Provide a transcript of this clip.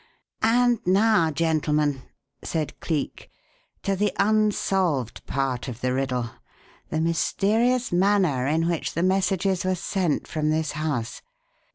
"And now, gentlemen," said Cleek, "to the unsolved part of the riddle the mysterious manner in which the messages were sent from this house.